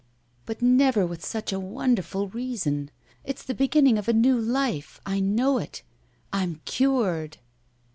"But never with such a wonderful reason. It's the beginning of a new life. I know it. I'm cured!"